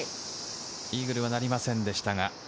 イーグルはなりませんでした。